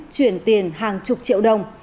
chuyển tiền hàng chục triệu đồng